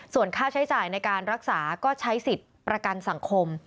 ส่วนค่าใช้จ่ายในการรักษาก็ใช้สิทธิ์ประกันสังคม